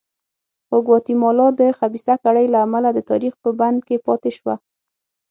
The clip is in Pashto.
خو ګواتیمالا د خبیثه کړۍ له امله د تاریخ په بند کې پاتې شوه.